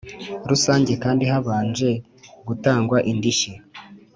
rusange kandi habanje gutangwa indishyi